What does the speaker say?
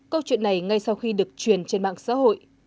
câu chuyện này ngay sau khi được truyền trên mạng xã hội